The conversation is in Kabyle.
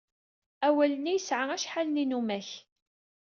Awal-nni yesɛa acḥal n yinumak.